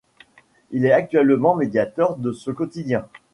Il est actuellement médiateur de ce quotidien.